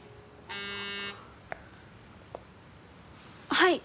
はい。